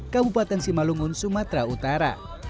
kabupaten simalungun sumatera utara